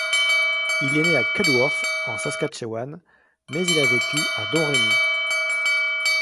Il est né à Cudworth, en Saskatchewan, mais il a vécu à Domremy.